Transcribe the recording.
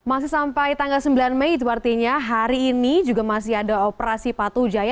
masih sampai tanggal sembilan mei itu artinya hari ini juga masih ada operasi patuh jaya